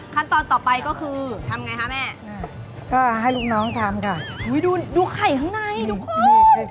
ขั้นตอนต่อไปก็คือทำไงคะแม่ก็ให้ลูกน้องทำค่ะอุ้ยดูไข่ข้างในดู